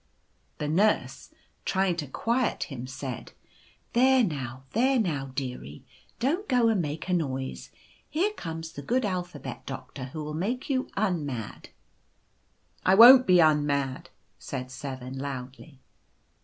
a The Nurse, trying to quiet him, said :"' There now, there now, deary — don't go and make a noise. Here comes the good Alphabet Doctor, who will make you unmad/ <c € I won't be made unmad/ said 7, loudly.